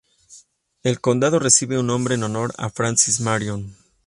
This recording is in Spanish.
El condado recibe su nombre en honor a Francis Marion.